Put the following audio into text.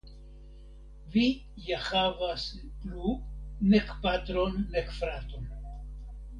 Vi ja havas plu nek patron, nek fraton!